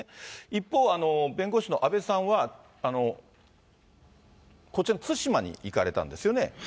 一方、弁護士の阿部さんは、こちらの対馬に行かれたんですよね。